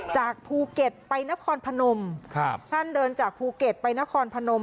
จากภูเก็ตไปนครพนมครับท่านเดินจากภูเก็ตไปนครพนม